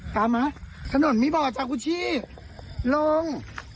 กลับมาถนนมีบ่อจากุชชี่ลง